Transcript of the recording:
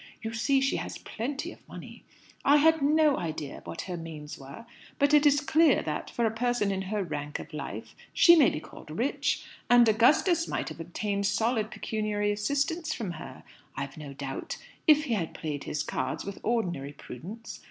You see she has plenty of money. I had no idea what her means were; but it is clear that, for a person in her rank of life, she may be called rich. And Augustus might have obtained solid pecuniary assistance from her, I've no doubt, if he had played his cards with ordinary prudence.